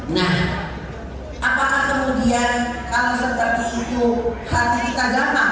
nah apakah kemudian kalau seperti itu hati kita jatah